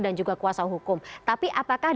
dan juga kuasa hukum tapi apakah